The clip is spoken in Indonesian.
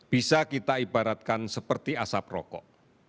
bisa kita ibaratkan seperti asap rokok